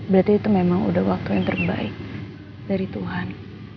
berarti itu memang udah waktu yang terbaik dari tuhan